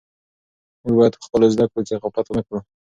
موږ باید په خپلو زده کړو کې غفلت ونه کړو.